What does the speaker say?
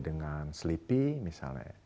dengan slipi misalnya